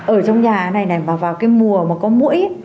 ở trong nhà này này vào cái mùa mà có mũi